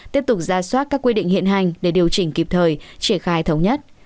tiếp tục ra soát các quy định hiện hành để điều chỉnh kịp thời triển khai thống nhất